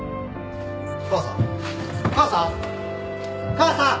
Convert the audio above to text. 母さん？